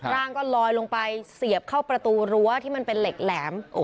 ร่างก็ลอยลงไปเสียบเข้าประตูรั้วที่มันเป็นเหล็กแหลม